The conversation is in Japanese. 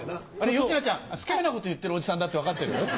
よしなちゃんスケベなこと言ってるおじさんだって分かってる？